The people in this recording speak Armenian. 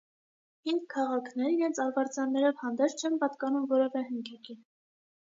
Հինգ քաղաքներ իրենց արվարձաններով հանդերձ չեն պատկանում որևէ հնգյակի։